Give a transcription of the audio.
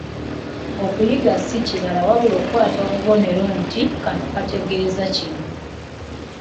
Okuyiga si kirala wabula okukwata obubonero nti: Kano kategeza kino.